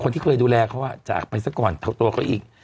ที่เคยดูแลเขาจากไปซะก่อนเท่าตัวเขาอีก